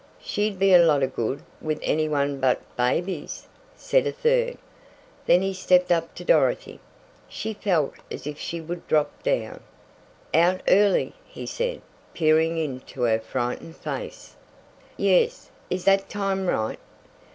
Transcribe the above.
"She'd be a lot of good with any one but babies," said a third. Then he stepped up to Dorothy. She felt as if she would drop down. "Out early," he said, peering into her frightened face. "Yes, is that time right?"